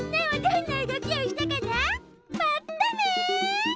まったね。